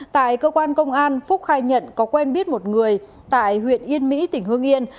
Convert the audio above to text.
tại cơ quan công an phúc khai nhận có quen biết một người tại huyện yên mỹ tỉnh hương yên